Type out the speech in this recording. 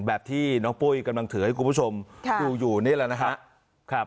แบบที่น้องปุ้ยกำลังถือให้คุณผู้ชมดูอยู่นี่แหละนะครับ